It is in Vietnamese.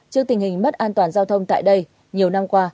trước tình hình mất an toàn giao thông tại đây nhiều năm qua